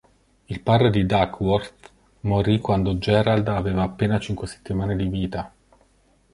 Il padre di Duckworth morì quando Gerald aveva appena cinque settimane di vita.